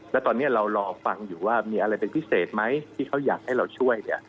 แล้วตอนนี้เรารอฟังอยู่ว่ามีอะไรเป็นพิเศษไหมที่เขาอยากให้เราช่วยเนี่ย